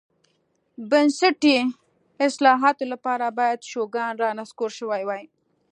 بنسټي اصلاحاتو لپاره باید شوګان رانسکور شوی وای.